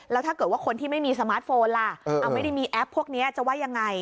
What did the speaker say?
แล้วถ้าเกิดว่าคนที่ไม่มีสมาร์ทโฟนล่ะไม่ได้มีแอปพวกนี้จะว่ายังไง